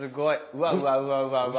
うわうわうわうわうわ。